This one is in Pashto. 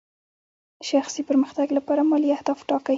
شخصي پرمختګ لپاره مالي اهداف ټاکئ.